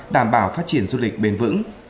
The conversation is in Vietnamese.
đảm bảo phát triển du lịch bền vững